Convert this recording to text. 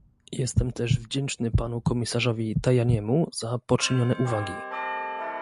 Jestem też wdzięczny panu komisarzowi Tajaniemu za poczynione uwagi